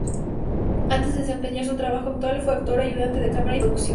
Antes de desempeñar su trabajo actual fue actor, ayudante de cámara y productor.